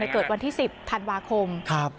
ในเกิดวันที่สิบธันวาคมครับ